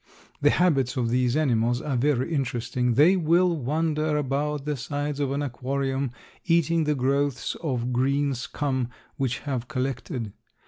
The habits of these animals are very interesting. They will wander about the sides of an aquarium, eating the growths of green scum which have collected.